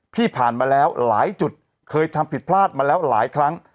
ที่ผ่านมาแล้วหลายจุดเคยทำผิดพลาดมาแล้วหลายครั้ง